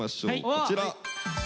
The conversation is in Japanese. こちら！